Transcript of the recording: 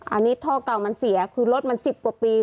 อันนี้ท่อเก่ามันเสียคือรถมัน๑๐กว่าปี